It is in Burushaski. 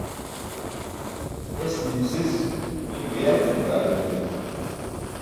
Es nim sis iymo yal cum ke ar imaybay.